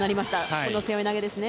この背負い投げですね。